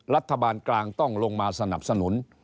รัฐบาลกลางต้องลงมาสนับสนุน